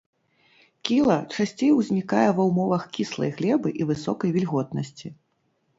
Кіла часцей узнікае ва ўмовах кіслай глебы і высокай вільготнасці.